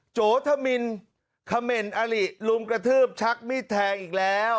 โจทมิลคเมรต์อาริรุมกระทืบชักมิดแทงอีกแล้ว